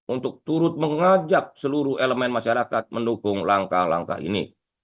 untuk turut mengajak seluruh elemen masyarakat mendukung langkah langkah ini